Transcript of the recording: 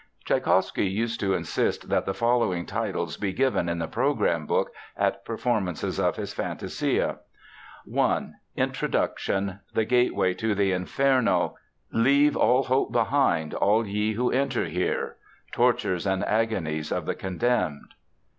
Tschaikowsky used to insist that the following titles be given in the program book at performances of his fantasia: I. Introduction: The gateway to the Inferno ("Leave all hope behind, all ye who enter here") Tortures and agonies of the condemned.